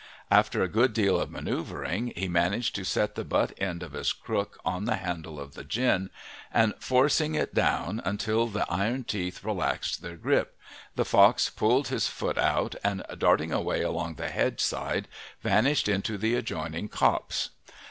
After a good deal of manoeuvring he managed to set the butt end of his crook on the handle of the gin, and forcing it down until the iron teeth relaxed their grip, the fox pulled his foot out, and darting away along the hedge side vanished into the adjoining copse.